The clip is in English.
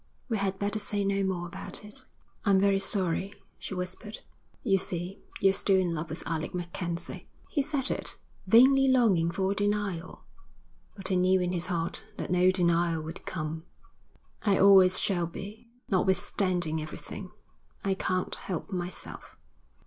We had better say no more about it.' 'I'm very sorry,' she whispered. 'You see, you're still in love with Alec MacKenzie.' He said it, vainly longing for a denial; but he knew in his heart that no denial would come. 'I always shall be, notwithstanding everything. I can't help myself.'